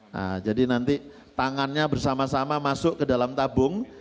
nah jadi nanti tangannya bersama sama masuk ke dalam tabung